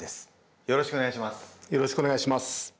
よろしくお願いします。